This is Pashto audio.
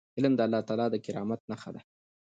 علم د الله تعالی د کرامت نښه ده.